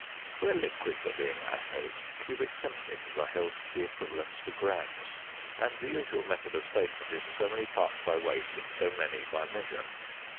Where liquids are being assayed, cubic centimetres are held to be equivalent to grams, and the usual method of statement is, "so many parts by weight in so many by measure."